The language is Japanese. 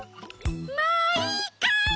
もういいかい？